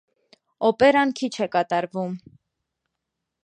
Օպերան քիչ է կատարվում։